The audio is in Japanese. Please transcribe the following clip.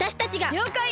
りょうかい。